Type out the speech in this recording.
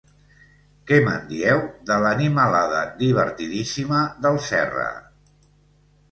Què me'n dieu de l'animalada divertidíssima del Serra?